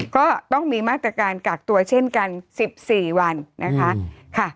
ก็ต้องมีมาตรการกักตัวเช่นกัน๑๔วันนะคะ